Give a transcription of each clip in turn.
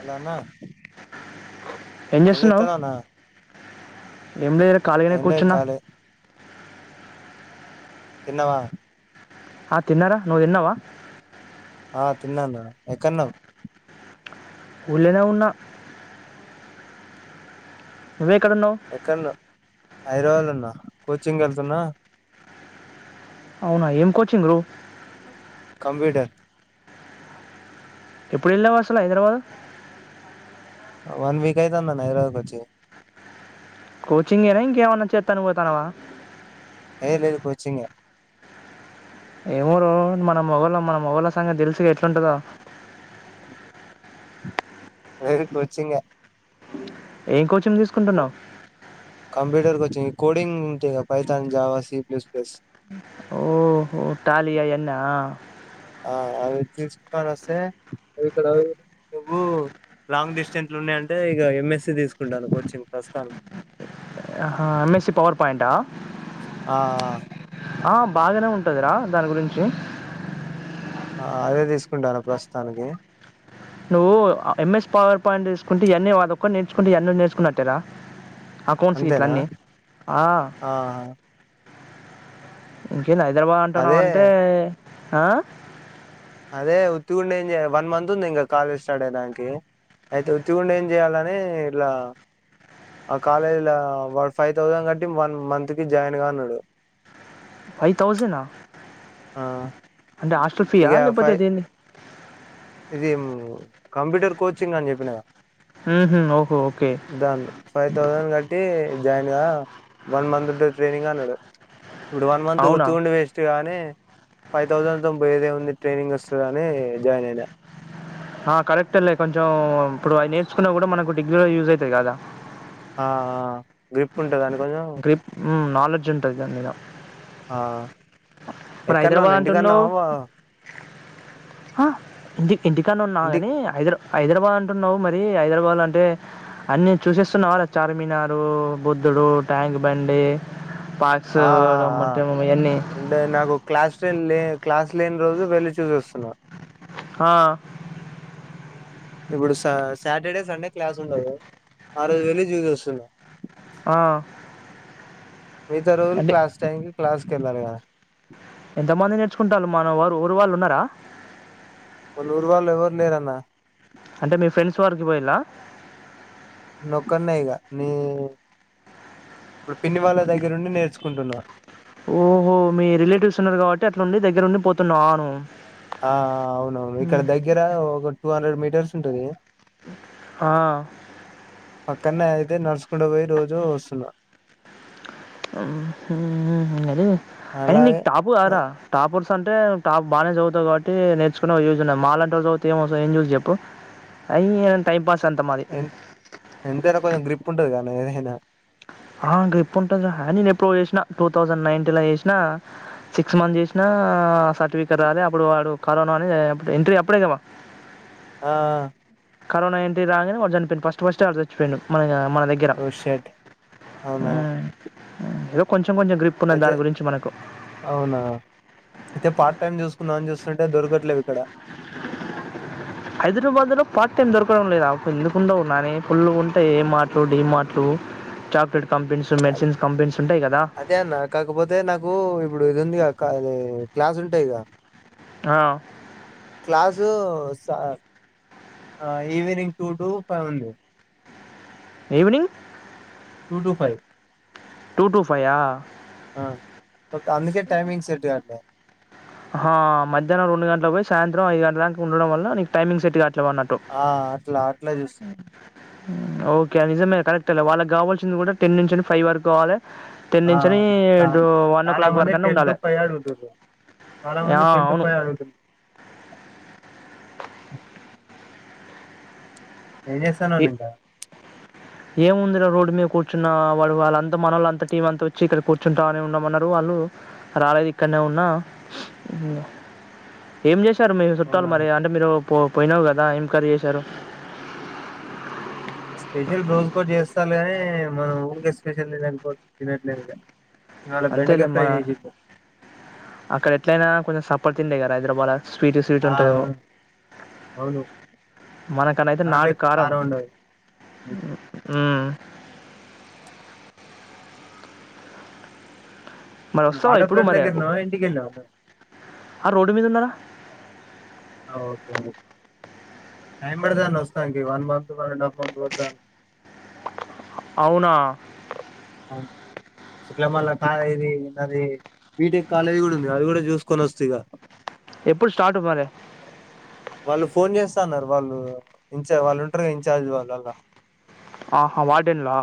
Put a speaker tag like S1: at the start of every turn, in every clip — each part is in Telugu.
S1: అలానా
S2: ఓ
S1: ఏం జేత్తాన్నవ్ అన్నా
S2: ఏం లేదుర కలిగానే కూర్చున్న.
S1: ఖాళీ తిన్నవా?
S2: ఆ తిన్నర, నువ్ తిన్నవా?
S1: ఆ తిన్నా అన్న ఎక్కడున్నవ్
S2: ఊల్లనే ఉన్న. ఉన్నావు
S1: ఎక్కడన్ హైదరాబాద్లున్న కోచింగ్ కెళ్తున్నా
S2: అవునా ఏం కోచింగు
S1: కంప్యూటర్
S2: ఎప్పుడెళ్ళినవ్ అసల్ హైదరాబాద్
S1: వన్ వీక్ అయితాందన్న హైదరాబాద్ కొచ్చి
S2: కోచింగేనా ఇంకేమన్నా చేత్తానికి పోతానవా
S1: ఏ లేదు కోచింగే
S2: ఏమో రో మన మొగళ్ళ మన మొగళ్ళ సంగతి తెలుసుగా ఎట్లుంటదో
S1: లేదు కొచ్చింగే
S2: ఏం కోచింగ్ తీసుకుంటున్నావ్
S1: కంప్యూటర్ కోచ్చింగ్ కోడింగ్ ఉంటాయి గా పైతాన్ జావా సీప్లస్ ప్లెస్
S2: ఓహో టాలీ అవన్నా
S1: అ అవి తీస్కొని వస్తే ఇక్కడ నువ్వు లాంగ్ డిస్టెన్స్లో ఉన్నాయంటే ఇగ ఎంఎస్సి తీసుకుంటాన కోచింగ్ ప్రస్తుతాననికి
S2: ఆహా ఎమ్ఎస్సి పవర్ పాయింటా
S1: ఆ అ
S2: ఆ బాగానే ఉంటందిరా దాని గురించి
S1: ఆ అదే తీసుకుంటాన ప్రస్తుతానికి
S2: నువ్వు ఎంఎస్ పవర్ పాయింట్ తీసుకుంటే ఇయన్నీ అదొక్కటి నేర్చుకుంటే ఇయ్యన్నీ నేర్చున్నట్టెర అకౌంట్స్ గిట్ల
S1: అంతేనా
S2: అన్ని అ ఆ ఇంకేంది హైదరాబాద్ అంటన్నావ్
S1: అదే
S2: అంటే ఆ
S1: అదే ఉత్తి గుండెంజె వన్ మంత్ ఉంది ఇంగ కాలేజ్ స్టార్ట్ అయడానికి అయితే ఒత్తిగుండి ఏం చేయాలని ఇట్లా ఆ కాలేజ్ల ఫైవ్ థౌజండ్ కట్టి వన్ మంత్ కి జాయిన్ గా అన్నాడు
S2: ఫై థౌసనా
S1: ఆ
S2: అంటే హాస్టల్ ఫీయా లేకపోతే అదేంది
S1: ఇదిమ్ కంప్యూటర్ కోచింగ్ అని చెప్పినగా
S2: ఊహూ ఓహో ఓకే
S1: దాంది ఫైవ్ థౌజండ్ కట్టి జాయిన్ గా వన్ మంత్ ఉంటద్ ట్రైనింగ్ అన్నాడు ఇప్పుడు వన్ మంత్
S2: అవునా
S1: ఉత్తికుండి వేస్ట్ గాని ఫైవ్ థౌజండ్ తోన్ పోయేదేముంది ట్రైనింగ్ వస్తదని జాయిన్ అయిన
S2: ఆ కరెక్ట్ లే కొంచెం ఇప్పుడు అవి నేర్చుకున్న కూడా మనకు డిగ్రీలో యూజ్ అయితది కదా
S1: ఆ అ గ్రిప్ ఉంటుదని
S2: గ్రిప్ ఉం నాలెడ్జ్ ఉంటది దానిమీద
S1: ఆ
S2: మరి
S1: ఎక్కడన్నా
S2: హైదరాబాద్
S1: ఉన్నా ఇంటికన్నా
S2: అంటున్నావ్ ఆ ఇంటి ఇంటికన్నే ఉన్నా
S1: ఇంటి
S2: కాని హైదరా హైదరాబాద్ అంటున్నావ్ మరి హైదరాబాద్ల అంటే అన్నీ చూసస్తున్నావారా చార్మినారు బుద్ధుడు ట్యాంక్ బండి పాస్
S1: ఆ ఆ ఆ
S2: మొట్టం ఇయన్ని
S1: అంటే నాకు క్లాస్ టెన్ లే క్లాస్ లేని రోజు వెళ్ళి చూసస్తున్నా
S2: ఆ
S1: ఇప్పుడు సా సాటర్డే సండే క్లాస్ ఉండదు ఆ రోజు వెళ్ళి చూసస్తున్నా
S2: ఆ
S1: మిగతా రోజులు
S2: అంటే
S1: క్లాస్ టైం కి క్లాస్కిళ్ళాలి కదా
S2: ఎంతమంది నేర్చుకుంటాళ్లు మన వారు ఊరు వాళ్ళు ఉన్నారా
S1: మన ఊరు వాళ్ళు ఎవ్వరు లేరన్న
S2: అంటే మీ ఫ్రెండ్స్ వారికి పోయిల్లా
S1: నీ ఒక్కణ్ణే ఇగా ని ఇప్పుడు పిన్ని వాళ్ళ దగ్గరుండి నేర్చుకుంటున్నా
S2: ఓహో మీ రిలేటివ్స్ ఉన్నారు కాబట్టి అట్లుండి దగ్గరుండి పోతున్నావా నువు
S1: ఆ అవునవును ఇక్కడ దగ్గర ఒక టూ హండ్రెడ్ మీటర్స్ ఉంటది
S2: ఆ
S1: పక్కనే అయితే నడుచకుంట పోయి రోజు వస్తున్నా
S2: అయిన నీకు
S1: అలాగే
S2: టాపు ఆరా టాపోస్ అంటే టాప్ బానే చదువుతావ్ కాట్టి నేర్చుకునే యూజ్ ఉనయి మాలంటోలు చదువుతె ఏం వస్ ఏం యూస్ చెప్పు అయ టైమ్ పాస్ అంత మాది
S1: ఎ ఎంతైనా కొంచెం గ్రిప్ ఉంటది కద ఏదైనా
S2: ఆ గ్రిప్ అంటది ఆ నెన్ ఎప్పో చేసిన టూ థౌసండ్ నైన్టీన్ లా చేసినా సిక్స్ మంత్స్ చేసినా సర్టిఫికెట్ రాలే అప్పుడు వాడు కరోనా అని ఎంట్రీ అప్పుడే గమా
S1: ఆ
S2: కరోనా ఏంటి రాగానే వాడు చనిపోయిండు ఫస్ట్ ఫస్ట్ వాడ చచ్చిపోయిండు మన మన దగ్గర
S1: ఓ షట్ అవునా
S2: ఏదో కొంచెం కొంచెం గ్రిప్ ఉన్నది
S1: అయితే
S2: దాని గురించి మనకు
S1: అవునా అయితే పార్ట్ టైమ్ చూసుకుందామని చూస్ తుంటే దొరకట్లేవు ఇక్కడ
S2: హైదరాబాద్ లో పార్ట్ టైం దొరకడం లేదా ఎందుకుండవ్ న్నాని ఫుల్లు ఉంటయ్ ఏ మార్ట్లు డి మార్ట్లు టు చాప్లేట్
S1: అదే అదే అన్న కాకపోతే నాకు ఇప్పుడు ఇది ఉంది గా క అది క్లాస్ ఉంటాయిగా
S2: ఆ
S1: క్లాసు సార్ ఈవినింగ్ ఆ టూ టు ఫైవ్ ఉంది
S2: evening
S1: two two five
S2: two two ఫైయ్య
S1: అందుకే టైమింగ్ సెట్ కావట్లేదు
S2: హా మధ్యానం రెండు గంటలకు పోయి సాయంతం ఐదు గంటల దాంక ఉండడం వల్ల నీకు టైమింగ్ సెట్ ట్లే అన్నట్టు
S1: ఆ అట్లా అట్లా చూస్తున్నా
S2: ఓకే నిజమే కరెక్టే లె వాళ్ళకి కావాల్సింది కూడా టెన్ నుంచి ఫైవ్ వరకు కావాలె
S1: ఆ చాలా
S2: వన్ ఓ క్లాక్
S1: చాలామంది
S2: వరకు అన్నా
S1: టెన్ టు
S2: ఉండాలి
S1: ఫైవ్ దాక ఉంటుర్రు చాలా
S2: ఆ,
S1: వంది టెన్ టు
S2: అవును
S1: ఫైవ్ అయితుంది ఏం చేస్తానవ్లె ఇంకా
S2: ఏంముందిరా రోడ్డు మీద కూర్చున్న వాడు వాళ్ళంత మన్నోళ్ళంత టీం అంత వచ్చి ఇక్కడ కూర్చుంటాని ఉన్నామన్నారు వాళ్ రు రాలేదు ఇక్కన్నే ఉన్న ఉ ఏం జెస్ టరు మీ చుట్టాలు
S1: అవునా
S2: మరి అంటే మీరు పో పోయినావు కదా ఎం కర్రి చేశారు
S1: స్పెషల్ రోజు కూడా చేస్తారు కానీ మనం ఊరికే స్పెషల్ తిననికికో తినట్లేదుక
S2: అంతేలే మన అక్కడ ఎట్లయినా కొంచెం సఫడ్ తిండే కదా హైదరాబాద్ స్వీట్ స్వీట్
S1: ఆ
S2: ఉంటదెమో
S1: అవును
S2: మనకనయితే
S1: మన
S2: నాటు
S1: లెక్క
S2: కారం
S1: ఉండదు
S2: ఉ మరి వస్తావా
S1: వాటర్
S2: ఇప్పుడు
S1: ఫ్రంట్
S2: మరి
S1: దగ్గర ఉన్నావా ఇంటికి వెళ్ళావా నువ్వు
S2: ఆ రోడ్డు మీద ఉన్నారా
S1: ఓకే ఓకే టైం పడదాంట వస్తా ఇంటికి one month one and half month పడత
S2: అవునా
S1: అవు ఇట్లా మళ్ళా కాలు ఇది బీటెక్ కాలేజీ కూడా ఉంది అది కూడా చూసుకొని వస్త ఇక
S2: ఎప్పుడు స్టార్ట్ మారే
S1: వాళ్ళు ఫోన్ చేస్తన్నారు వాళ్ళు ఇచా వాళ్ళు ఉంటారుగా ఇన్ఛార్జ్ వాళ్ళులా
S2: ఆహా వార్డెన్లా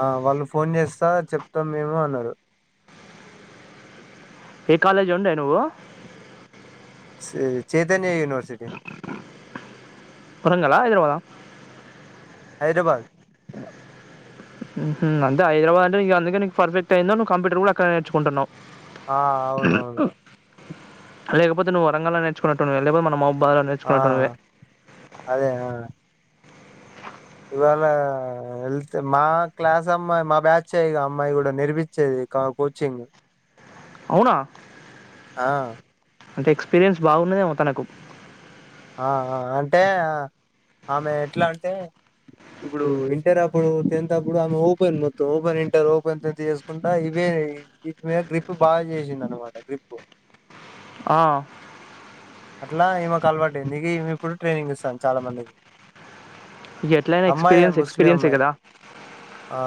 S1: ఆ వాళ్ళు ఫోన్ చేస్తా చెప్తాం మేము అన్నారు
S2: ఏ కాలేజ్ ఉండే నువ్వు
S1: సి చైతన్య యూనివర్సిటీ
S2: వరంగల హైదరాబాద్
S1: హైదరాబాద్
S2: అ ఉమ్ అంతే హైదరాబాద్ అంటేకే అందుకే నీకు పర్ఫెక్ట్ అయిందో కప్యూటర్ కూడా అక్కడేచుకుంటున్నావు
S1: ఆ అవునవును
S2: లేకపోతే నువ్వు వారగల్ నేర్చుకున్నట్టువ లేకపో మన మాబ బాగా
S1: ఆ
S2: నేర్చుకున్నతోవే
S1: అదే ఆ ఇవాళ వెళ్తే మా క్లాస్ అమ్మాయి మా బ్యాచ్ అ్యక అమ్మాయి కూడా నేర్పించేది కా కోచింగ్
S2: అవునా
S1: ఆ
S2: అంటే ఎక్స్పీరియన్స్ బాగున్నదేమో తనకు
S1: ఆ ఆ అంటే ఆమె ఎట్లా అంటే ఇప్పుడు ఇంటర్ అప్పుడు టెన్త్ అప్పుడు ఆమె ఓపెన్ మొత్తం ఓపెన్ ఇంటర్ ఓపెన్ చేసుకుంటా ఇవే వీటి మీద గ్రిప్ బాగా చేసింది అనమాట గ్రిప్
S2: ఆ
S1: అట్లా ఈమేకు అలవాటుంది మే ఇప్పుడు ట్రైనింగ్ ఇస్తాం చాలా మందికి
S2: ఇక ఎట్లయినా
S1: అమ్మాయే
S2: ఎక్స్పీరియన్స్
S1: ముస్లిం
S2: ఎక్స్పీరియన్సే
S1: అమ్మాయి
S2: కదా
S1: ఆ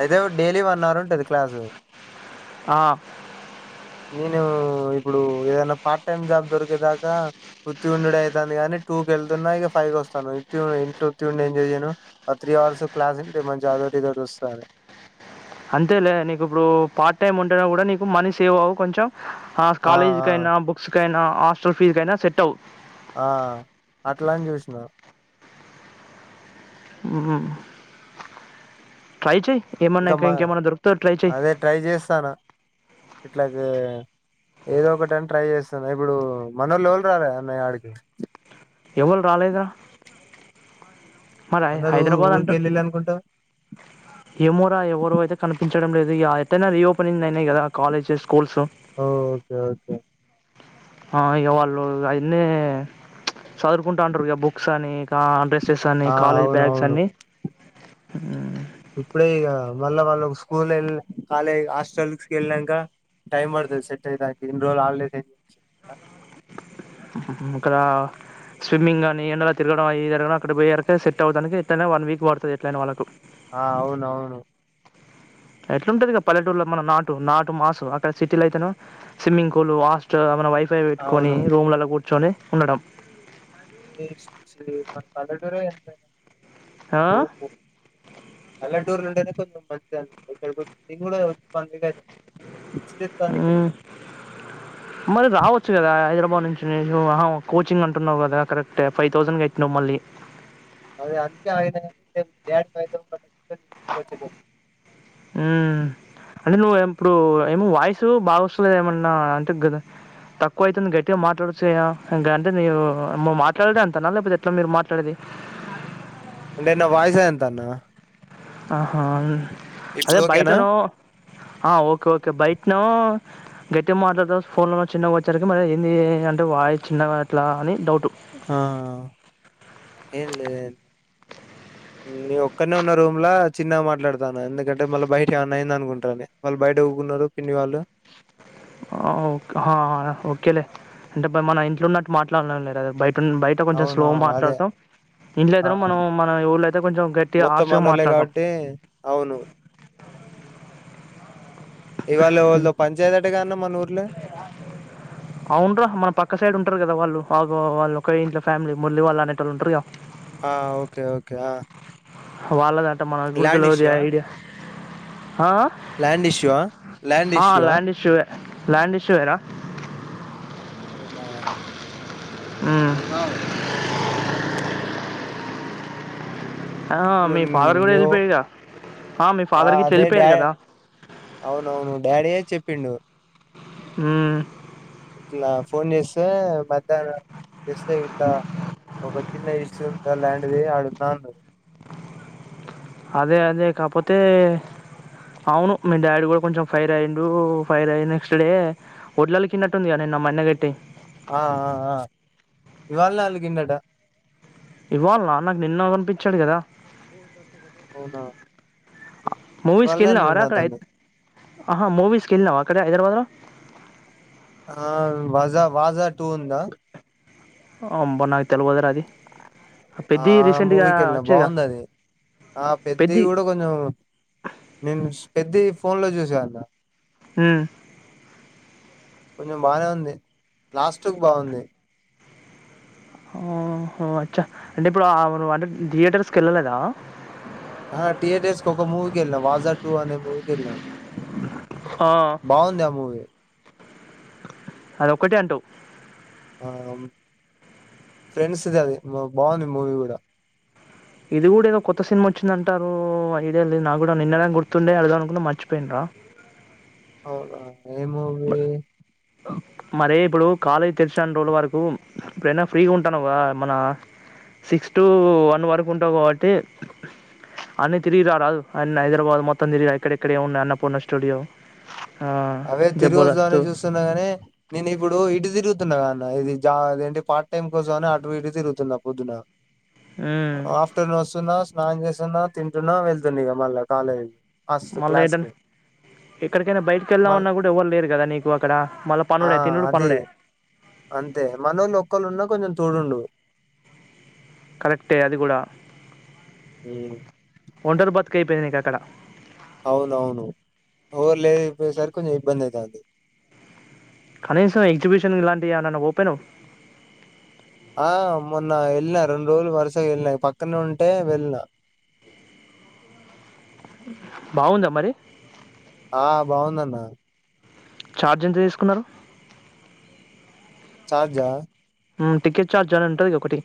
S1: అయితే డైలీ వన్ అవర్ ఉంటుది క్లాసు
S2: ఆ
S1: నేను ఇప్పుడు ఏదైనా పార్ట్ టైమ్ జాబ్ దొరికేదాకా వృత్తి ఉండు అవుతంది కాని టూ కి వెళ్తున్నా ఇక ఫైవ్ వస్తాను ఇట్ ఉతికి ఉండి ఎంజాయ్యను ఆ త్రీ అవర్స్ క్లాస్ ఉంటే మంచి అదోటిస్తారు
S2: అంతేలే నీకు ఇప్పుడు పార్ట్ టైమ్ ఉంటేనా కూడా నీకు మనీ సేవ్ అవవు కొంచెం ఆ కాలేజీ కైనా బుక్స్ కైనా హాస్టల్ ఫీజ్ కయినా సెట్ అవ
S1: ఆ అట్లాని చూసినా
S2: ఆ ట్రైచ్
S1: ఇంకామ్మా అదే ట్రై చేస్తాను ఇట్లాకి ఏదో ఒకటిని ట్రై చేస్తున్నా ఇప్పుడు మనోళ్లు రాలే అన్నయి ఆడికి
S2: ఎవళ్లు రాలేడా
S1: అందరు ఊరికి వెళ్ళళ్ళి అనుకుంటా
S2: ఏమోరా ఎవరు అయితే కనిపించడం లేదు అయినా రీఓపెనింగ్ అయినాయి కదా కాలేజ్ స్కూల్స్
S1: ఓ ఓకే ఓకే
S2: ఆ ఇక వాళ్ళు అవన్నీ చదువుకుంటు అంటారు ఇక బుక్స్ అని ఇ డ్రెస్ స్ అని
S1: ఆ!
S2: కాలేజ్ బ్యాగ్స్
S1: అవునవును.
S2: అన్ని
S1: ఇప్పుడే ఇగ మళ్ళా వాళ్ళు స్కూల్ ఎల్ కాలేజ్ హాస్టల్స్కి వెళ్ళాంక టైమ్ పడుతది సెట్ అయితే ఇన్రోజులు హాలిడేస్
S2: ఇక్కరా స్విమ్మింగ్ కానీ ఎండలో తిరగడం అవి తిరగడ అక్కడ పోయల్కె సెట్ అవ్వడానికి ఎట్టయినా వన్ వీక్ పడుతది ఎట్లయిన వాళ్ళకు
S1: ఆ అవును అవును
S2: ఎట్లుంటది కద పల్లెటూరులో మన నాటు నాటు మాసు అక్కడ సిటీలో అయితేన స్విమ్మింగ్ పూల్ హాస్టల్ మన వైఫ్ పెట్టుకొని
S1: అవును.
S2: రూమ్లలో కూర్చొని ఉండడం
S1: ఏస్ మన పల్లెటూరే ఎంతయినా
S2: ఆ
S1: పల్లెటూర్ ఉండేనే కొంచెం మంచిగ ఇక్కడికి వచ్చి నేను కూడా కద
S2: ఆ మరి రావచ్చు కదా హైదరాబాద్ నుంచి కోచింగ్ అంటున్నావు కదా కరెక్ట్ ఏ ఫైవ్ థౌజండ్గా ఎట్టిినవు మళ్ళీ
S1: అదే అందుకే ఆయనయి
S2: ఉ అంటే నువ్వు ఇప్పుడు ఏమో వాయిసు బాగా వస్సలేదు ఏమన్నా అంటే గదా తక్కువ అయితుంది గట్టిగా మాట్లాడచ్చయా ఇంకా అంటే నేను మాట్లాడే అంత అన్నా లేకపోతే ఎట్ల మీరు మాట్లాడేది
S1: అంటే నా వాయిసె అంత అన్నా
S2: ఆహా అదే
S1: ఓకేనా
S2: బయటనో ఆ ఓకే ఓకే బయటనో గట్టిగ మాట్లాడత ఫోన్ లో చిన్నగా వచ్చారుకి మరి ఏంది అంటే వాయి చిన్నగా అట్లా అని డౌట్
S1: ఆ ఏం లే నే ఒక్కన్నే ఉన్న రూమ్ లో చిన్నగా మాట్లాడతాన ఎందుకంటే మళ్ళా బయట ఏమన్న అయింద అనుకుంటాన్నాను మళ్ళీ బయట పునరు పిన్ని వాళ్ళు
S2: ఆ ఓ ఓకేలే అంటే మన ఇంట్లో ఉన్నట్టు మాట్లాడం లేరు బయట బయట కొంచెం స్లో
S1: అవునవును అదే
S2: మాట్లాడతాం ఇంట్లో
S1: ఆ
S2: అయితేనో మనం మన ఊళ్ళయితే కొంచెం గట్టిగ
S1: మొత్తం
S2: హార్ష్ గా
S1: మనోళ్లే
S2: మాట్లాడతాం
S1: కాబట్టి అవును ఇవాళ వాళ్ళ పంచాయతీ అటగాన్న మన ఊర్లో
S2: అవున్రా మన పక్క సైడ్ ఉంటరు కదా వాళ్ళు ఆ వాళ్ళు ఒక ఇంట్లో ఫ్యామిలీ మురళి వాళ్ళు అనేటోళ్లు ఉంటరుగా
S1: ఆ ఓకే ఓకే ఆ
S2: వాళ్ళదాంట మన
S1: ల్యాండ్
S2: గుర్తులేది
S1: ఇష్యూ ఆ
S2: ఐడియా ఆ
S1: ల్యాండ్ ఇష్యూ ఆ ల్యాండ్
S2: ఆ
S1: ఇష్యూ
S2: ల్యాండ్ ఇష్యూ ఏ ల్యాండ్ ఇష్యూ ఎరా
S1: అవునా
S2: ఉ ఆ
S1: ఇప్పుడు
S2: మీ ఫాదర్ కూడా
S1: నువ్వు
S2: వెళ్ళిపోయారుగా ఆ మీ ఫాదర్ గిట్లా
S1: అదే
S2: వెళ్ళిపోయారు
S1: డా
S2: కదా
S1: అవునవును డాడీయే చెప్పిండు
S2: ఉ
S1: ఇట్లా ఫోన్ చేస్తే మధ్యాహ్నం చేస్తే ఇట్లా ఒక చిన్న ఇష్యూగా ల్యాండ్ది ఆడుండండు
S2: అదే అదే కాపోతే అవును మీ డాడీ కూడా కొంచెం ఫైర్ అయిండు ఫైర్ అయి నెక్స్ట్ డే వడ్లలకిన్నట్టుందిగా నేను నా మన్న కట్టి
S1: ఆ ఆ ఆ ఇవాల్నే అలిగిన్డట
S2: ఇవాల్నా నాకు నిన్న కనిపించాడు కదా
S1: అవునా ఇవాళనే అన్నాడు
S2: మూవీస్కిల్లినవరా అక్కడై
S1: నాతోని
S2: ఆహా మూవీస్కిళ్ళినావా అక్కడ హైదరాబాద్ ల
S1: ఆ వాజా వాజా టూ ఉందా
S2: అంబ నాకు తెలివదురా అది
S1: ఆ
S2: పెద్ది రీసెంట్ గా
S1: మూవీకి వెళ్ళినా
S2: వచ్చేగా
S1: బాగుంది అది ఆ పెద్ద
S2: పెద్ది
S1: కూడా కొంచెం నేన్స్ పెద్ది ఫోన్లో చూసా అన్న
S2: ఉం
S1: కొంచెం బానే ఉంది లాస్ట్క్ బాగుంది
S2: ఓహో అచ్చ అంటే ఇప్పుడు ఆ అంట థియేటర్స్కి వెళ్ళలేదా
S1: ఆహా థియేటర్స్కి ఒక మూవీకి వెళ్ళ వాజా టూ అనే మూవీకెళ్నా
S2: ఆ
S1: బాగుంది అ మూవీ
S2: అదోక్కటే అంటవ్
S1: ఆ ఫ్రెండ్స్ అది బాగుంది మూవీ కూడా
S2: ఇది కూడా ఏదో కొత్త సినిమా వచ్చిందంటారు ఐడియాలెదు నా కూడా నిన్ననె గుర్తుండే అడుగుదామనుకున్న మర్చిపోయిన రా ఆ
S1: అవున
S2: బ ఓకే మరే ఇప్పుడు కాలేజీ తెరిసే అన్ని రోజుల వరకు ఇప్పుడైనా ఫ్రీగా ఉంటానవ్ గా మన సిక్స్ టు వన్ వరకు ఉంటావు కాబట్టి అన్ని తిరిగి ర రాదు అన్న హైదరాబాద్ మొత్తం తిరిగి ఎక్కడెక్కడ ఏమ్ ఉన్నాయి అన్నపూర్ణ స్టూడియో ఆ
S1: అవే తిరిగొస్తాం అని
S2: జబర్దస్త్
S1: చూస్తున్నా గని నేను ఇప్పుడు ఇటు తిరుగుతున్నా గా అన్న ఇది జ ఇదేంటి పార్ట్ టైమ్ కోసం అని అటు ఇటు తిరుగుతున్నా పొద్దున ఆఫ్టర్నూన్ వస్తున్నా స్నానం చేస్తున్నా తింటున్నా వెళ్తుంది ఇగ మళ్ళా కాలేజీ
S2: మళ్ళా ఏటన్ ఎక్కడికైనా బయట
S1: మళ్
S2: కెళ్దామన్నా కూడా ఎవ్వరు లేరు కదా నీకు అక్కడ మళ్ళ
S1: ఆ
S2: పన్నుడే తినుడు
S1: అది
S2: పన్నుడే
S1: అంతే మనోళ్ళు ఒక్కలున్నా కొంచెం తోడుండు
S2: కలెక్టే అది కూడా
S1: ఉం
S2: ఒండర్బాత్కైపోయింది నీకాక్కడ
S1: అవునవును ఎవర్లేదు పోసరికి కొంచెం ఇబ్బంది అఇతంది
S2: కనీసం ఎగ్జిబిషన్ ఇలాంటియానాన్న పొపెనవ్
S1: ఆ మొన్న వెళ్ళిన రెండు రోజులు వరుసగా వెళ్ళినా పక్కనే ఉంటే వెళ్ళిన
S2: బాగుందా మరి
S1: ఆ బాగుందన్న
S2: ఛార్జ్ ఎంత తీసుకున్నారు
S1: చార్జా
S2: ఉం టికెట్ ఛార్జ్ అని ఉంటది గా ఒకటి